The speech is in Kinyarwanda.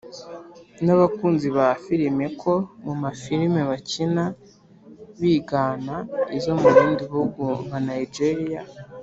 n’abakunzi ba filime ko mu mafilime bakina bigana izo mu bindi bihugu nka nigeria,